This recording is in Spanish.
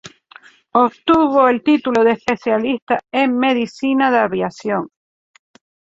Obtuvo el título de especialista en Medicina de Aviación.